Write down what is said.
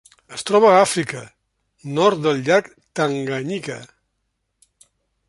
Es troba a Àfrica: nord del llac Tanganyika.